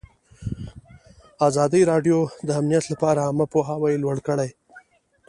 ازادي راډیو د امنیت لپاره عامه پوهاوي لوړ کړی.